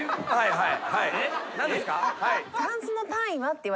はい。